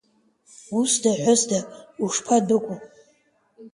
Усда-ҳәысда ушԥадәықәу!